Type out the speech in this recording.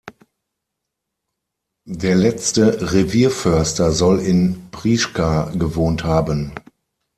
Der letzte Revierförster soll in Prieschka gewohnt haben.